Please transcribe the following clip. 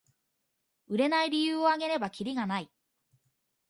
売れない理由をあげればキリがない